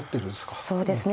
そうですね。